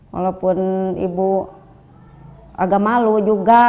walaupun ibu agak malu juga